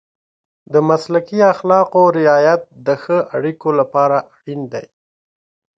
د مسلکي اخلاقو رعایت د ښه اړیکو لپاره اړین دی.